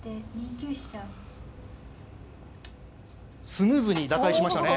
スムーズに打開しましたね。